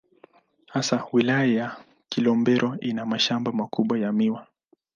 Hasa Wilaya ya Kilombero ina mashamba makubwa ya miwa.